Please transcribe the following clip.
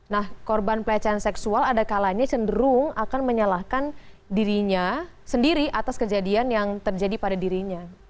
nah korban pelecehan seksual ada kalanya cenderung akan menyalahkan dirinya sendiri atas kejadian yang terjadi pada dirinya